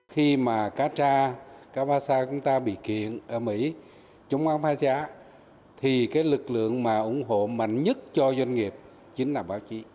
khi mà cát tra cát ba sa chúng ta bị kiện ở mỹ chúng ta không phá trả thì lực lượng mà ủng hộ mạnh nhất cho doanh nghiệp chính là báo chí